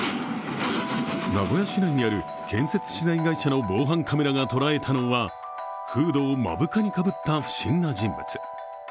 名古屋市内にある建設資材会社の防犯カメラが捉えたのがフードを目深にかぶった不審な人物。